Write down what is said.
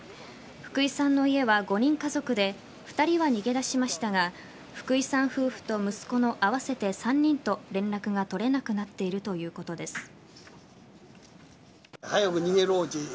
福井さんの家は５人家族で２人は逃げ出しましたが福井さん夫婦と息子の合わせて３人と連絡が取れなくなっているということです。